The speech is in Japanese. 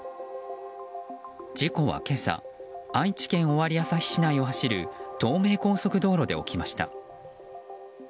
事故は今朝愛知県尾張旭市内を走る東名高速道路で起きました。